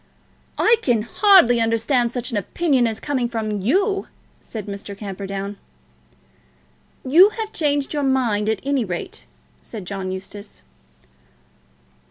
"I can hardly understand such an opinion as coming from you," said Mr. Camperdown. "You have changed your mind, at any rate," said John Eustace.